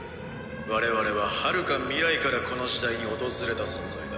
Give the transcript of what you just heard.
「我々ははるか未来からこの時代に訪れた存在だ」